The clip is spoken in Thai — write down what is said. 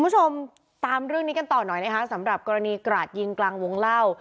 คุณผู้ชมตามเรื่องนี้กันต่อหน่อยนะคะสำหรับกรณีกราดยิงกลางวงเล่า